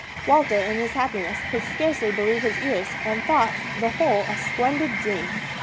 Walter in his happiness could scarcely believe his ears, and thought the whole a splendid dream.